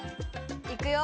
いくよ！